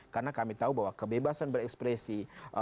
karena kami tahu bahwa kebebasan berekspresi